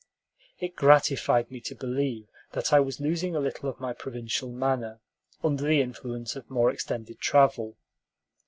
It gratified me to believe that I was losing a little of my provincial manner, under the influence of more extended travel.